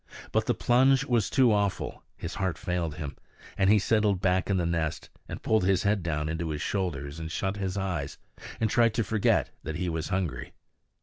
But the plunge was too awful; his heart failed him; and he settled back in the nest, and pulled his head down into his shoulders, and shut his eyes, and tried to forget that he was hungry.